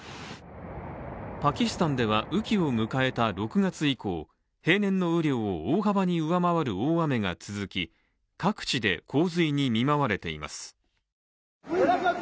パキスタンでは、雨季を迎えた６月以降平年の雨量を大幅に上回る雨が続き各地で洪水に見舞われています。